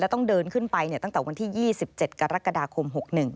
ต้องเดินขึ้นไปตั้งแต่วันที่๒๗กรกฎาคม๖๑